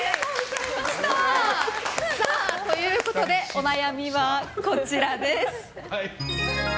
お悩みはこちらです。